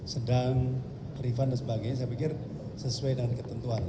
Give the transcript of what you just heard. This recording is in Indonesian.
sedang refund dan sebagainya saya pikir sesuai dengan ketentuan